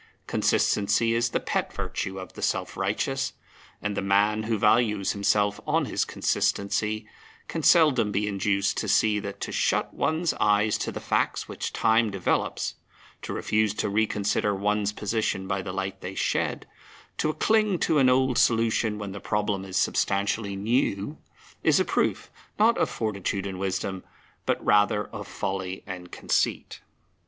Consistency is the pet virtue of the self righteous, and the man who values himself on his consistency can seldom be induced to see that to shut one's eyes to the facts which time develops, to refuse to reconsider one's position by the light they shed, to cling to an old solution when the problem is substantially new, is a proof, not of fortitude and wisdom, but rather of folly and conceit.